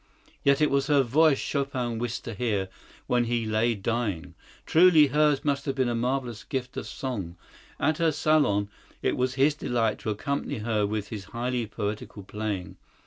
Yet it was her voice Chopin wished to hear when he lay dying! Truly hers must have been a marvellous gift of song! At her salon it was his delight to accompany her with his highly poetical playing.